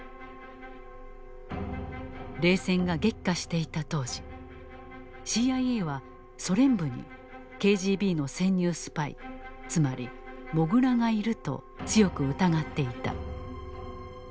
冷戦が激化していた当時ＣＩＡは「ソ連部」にＫＧＢの潜入スパイつまりモグラがいると強く疑っていた。